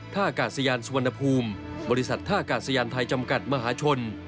ท่ากาศยานสุวรรณภูมิบริษัทท่ากาศยานไทยจำกัดมหาชน